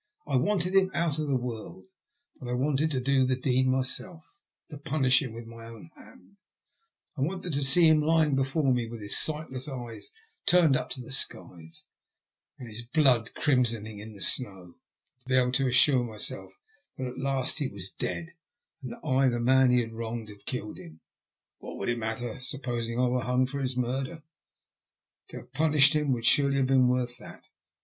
I wanted him out of the world, but I wanted to do the deed myself, to punish him with my own hand ; I wanted to see him lying before me with his sightless eyes turned up to the skies, and his blood crimsoning the snow, and to be able to assure myself that at last he was dead, and that I, the man he had wronged, had killed him. What would it matter ? Supposing I were hung for his murder! To have punished him would surely have been worth that.